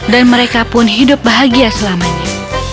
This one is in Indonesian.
dan mereka pun hidup bahagia selamanya